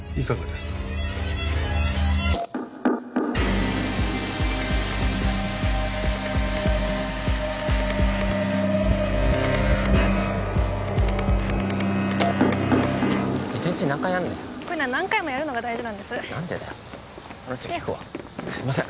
すいません